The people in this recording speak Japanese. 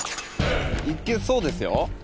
行けそうですよ。